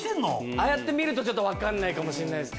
ああやって見ると分からないかもしれないです。